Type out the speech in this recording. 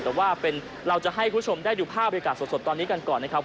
แต่ว่าเราจะให้คุณผู้ชมได้ดูภาพบริการสดตอนนี้กันก่อนนะครับ